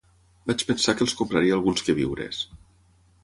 Vaig pensar que els compraria alguns queviures.